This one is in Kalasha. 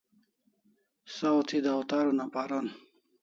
Saw thi dawtar una paron